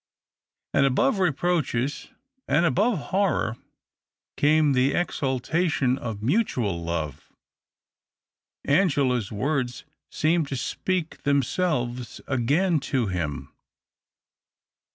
And above reproaches and above horror, came the exaltation of mutual love. Angela's words seemed to speak themselves again to him.